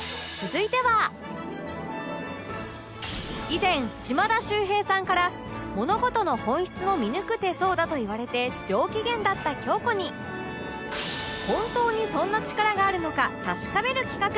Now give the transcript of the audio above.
以前島田秀平さんから「物事の本質を見抜く手相だ」と言われて上機嫌だった京子に本当にそんな力があるのか確かめる企画